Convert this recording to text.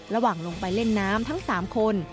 ระหว่างลงไปเล่นน้ำทั้ง๓คน